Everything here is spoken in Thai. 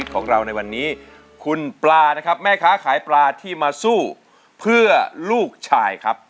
ของเราในวันนี้คุณปลานะครับแม่ค้าขายปลาที่มาสู้เพื่อลูกชายครับ